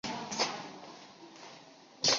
出道时其实声带结茧。